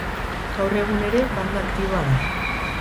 Gaur egun ere banda aktiboa da.